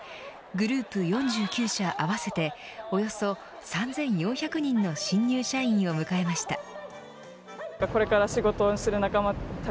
グループ４９社合わせておよそ３４００人の新入社員を迎えました。